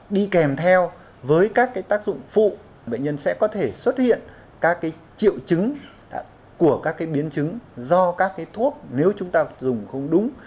đi kèm theo với các tác dụng phụ bệnh nhân sẽ có thể xuất hiện các triệu chứng của các biến chứng do các thuốc nếu chúng ta dùng không đúng